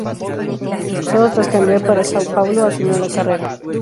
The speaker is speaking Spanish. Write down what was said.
Sólo tras cambiar para São Paulo, asumió la carrera.